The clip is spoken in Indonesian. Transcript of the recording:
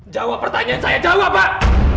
jawab pertanyaan saya jawab pak